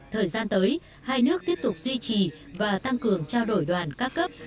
thời gian tới hai nước tiếp tục duy trì và tăng cường trao đổi đoàn các cấp